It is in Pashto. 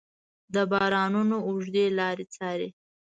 د بارانونو اوږدې لارې څارې